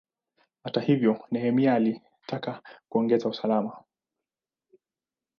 Hata hivyo, Nehemia alitaka kuongeza usalama.